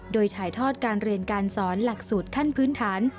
โดยถ่ายทอดการเรียนการสอนหลักสูตรขั้นพื้นฐาน